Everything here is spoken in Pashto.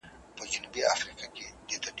هوش یې لاړ عقل بتر سو